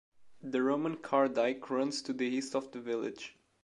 The Roman Car Dyke runs to the east of the village.